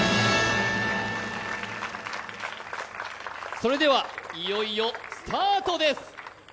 それではいよいよスタートです！